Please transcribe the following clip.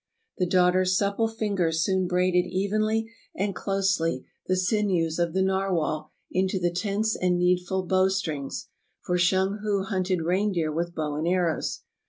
The daughter's supple fingers soon braided evenly and closely the sinews of the narwhal into the tense and needful bow strings, for Shung hu hunted reindeer with bow and arrows.